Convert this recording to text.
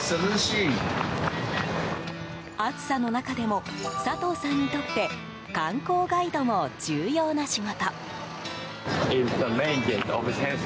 暑さの中でも佐藤さんにとって観光ガイドも重要な仕事。